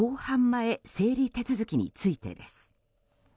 前整理手続きについてです。